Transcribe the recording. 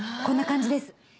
こんな感じです。